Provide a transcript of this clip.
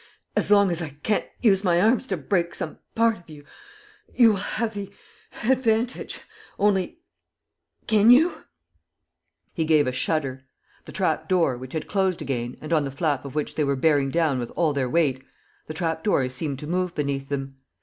... As long as I can't use my arms to break some part of you, you will have the advantage ... Only ... can you ...?" He gave a shudder. The trap door, which had closed again and on the flap of which they were bearing down with all their weight, the trap door seemed to move beneath them.